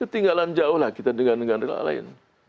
ketinggalan jauhlah kita dengan dengan yang lain